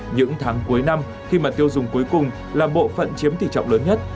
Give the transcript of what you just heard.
những tháng cuối năm khi mà tiêu dùng cuối cùng là bộ phận chiếm tỷ trọng lớn nhất